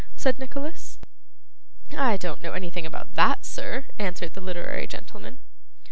said Nicholas. 'I don't know anything about that, sir,' answered the literary gentleman.